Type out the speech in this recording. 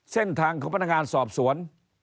เส้นทางของพนักงานสอบสวน